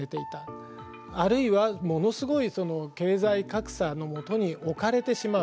あるいはものすごい経済格差のもとに置かれてしまう。